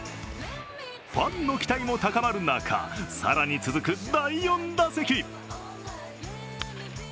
ファンの期待も高まる中更に続く第４打席。